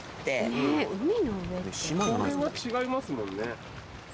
これは違いますもんね。